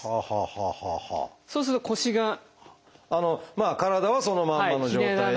まあ体はそのまんまの状態で。